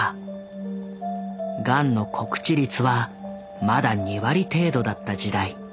ガンの告知率はまだ２割程度だった時代。